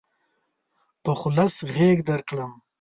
په خلوص غېږ درکړم.